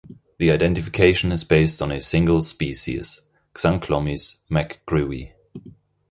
The identification is based on a single species, "Xanclomys mcgrewi".